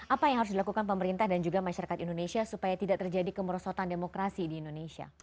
apa yang harus dilakukan pemerintah dan juga masyarakat indonesia supaya tidak terjadi kemerosotan demokrasi di indonesia